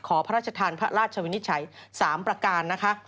พระราชทานพระราชวินิจฉัย๓ประการนะคะ